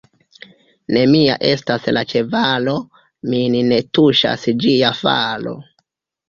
Ne mia estas la ĉevalo, min ne tuŝas ĝia falo.